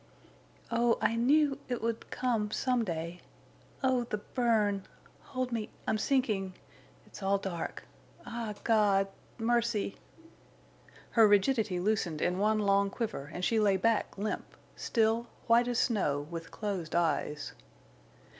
"Oh, I knew—it would—come—some day!... Oh, the burn!... Hold me—I'm sinking—it's all dark.... Ah, God!... Mercy—" Her rigidity loosened in one long quiver and she lay back limp, still, white as snow, with closed eyes.